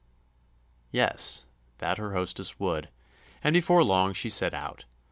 Yes, that her hostess would, and before long she set out.